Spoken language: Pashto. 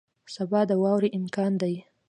سبا د واورې امکان دی